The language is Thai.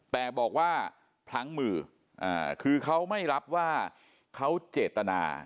แต่บอกว่าพลั้งมือคือเขาไม่รับว่าเขาเจตนา